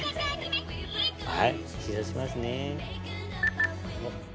はい診察しますね。